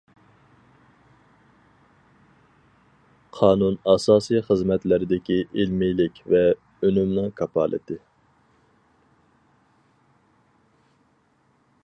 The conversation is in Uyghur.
قانۇن ئاساسىي خىزمەتلەردىكى ئىلمىيلىك ۋە ئۈنۈمنىڭ كاپالىتى.